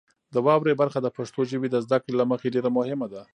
د واورئ برخه د پښتو ژبې د زده کړې له مخې ډیره مهمه ده.